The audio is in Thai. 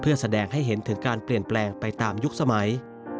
เพื่อแสดงให้เห็นถึงการเปลี่ยนแปลงไปตามยุคสมัย